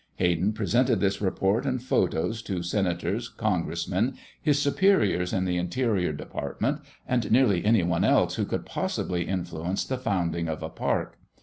Hayden presented this report and photos to Senators, Congressmen, his superiors in the Interior Department and nearly anyone else who could possibly influence the founding of a park.